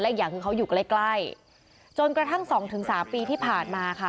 อีกอย่างคือเขาอยู่ใกล้ใกล้จนกระทั่งสองถึงสามปีที่ผ่านมาค่ะ